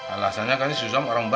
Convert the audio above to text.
alasannya kan si sulam orang baik